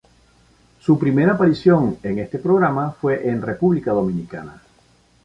Su primera aparición en este programa fue en en República Dominicana.